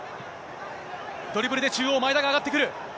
ドリブルで中央、前田が上がってくる。